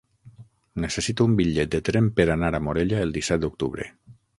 Necessito un bitllet de tren per anar a Morella el disset d'octubre.